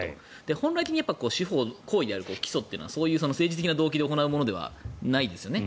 本来的に司法行為である起訴というのはそういう政治的な動機で行うものではないですよね。